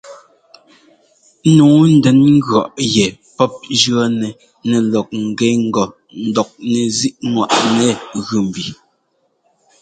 Nǔu ndɛn ŋgʉ̈ɔ́ yɛ pɔ́p jʉɔ́nɛ nɛlɔk ŋ́gɛ ŋgɔ ńdɔk nɛzíꞌŋwaꞌnɛ gʉ mbi.